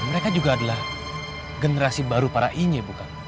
mereka juga adalah generasi baru para ine bukan